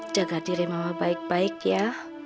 jaga diri mama baik baik ya